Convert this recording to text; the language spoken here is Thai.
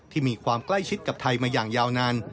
มีความใกล้ชิดกับไทยมาอย่างยาวนาน